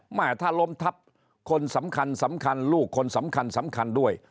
แม่ถ้าล้มทับคนสำคัญสำคัญลูกคนสำคัญสำคัญด้วย